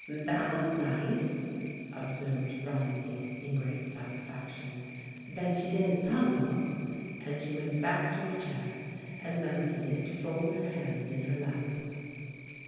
"That was nice," observed Phronsie in great satisfaction, "then she didn't tumble;" and she went back to her chair, and mounted it to fold her hands in her lap.